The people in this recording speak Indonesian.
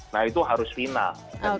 nah itu harus final